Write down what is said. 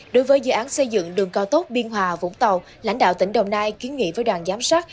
đối với dự án xây dựng đường cao tốc biên hòa vũng tàu lãnh đạo tỉnh đồng nai kiến nghị với đoàn giám sát